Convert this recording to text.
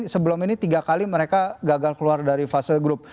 sebelum ini tiga kali mereka gagal keluar dari fase grup